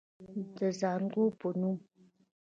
د زانګو پۀ نوم